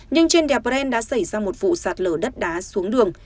nhưng trên đèo bren đã xảy ra một vụ sạt lở đất đá xuống đường